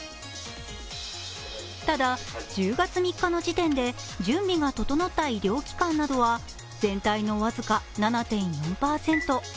ただ、１０月３日の時点で準備が整った医療機関などは全体の僅か７．４％。